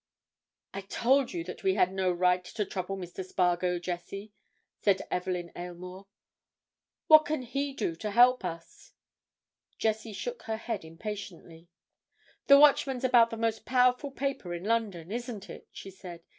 "I told you that we had no right to trouble Mr. Spargo, Jessie," said Evelyn Aylmore. "What can he do to help us?" Jessie shook her head impatiently. "The Watchman's about the most powerful paper in London, isn't it?" she said.